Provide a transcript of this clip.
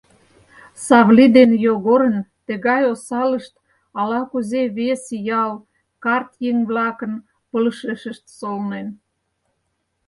Савли ден Йогорын тыгай осалышт ала-кузе вес ял карт еҥ-влакын пылышешышт солнен.